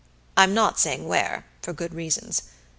I'm not saying where, for good reasons.